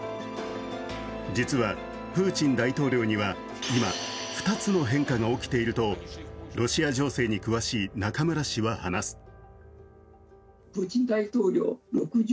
実は、プーチン大統領には今、２つの変化が起きているとロシア情勢に詳しい中村氏は話す。